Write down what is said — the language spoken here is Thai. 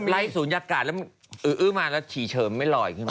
ไล่ศูนยากาศอื้อมาแล้วฉีเฉิมไม่ลอย